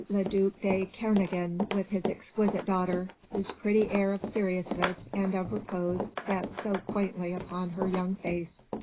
le duc de Kernogan with his exquisite daughter, whose pretty air of seriousness and of repose sat so quaintly upon her young face.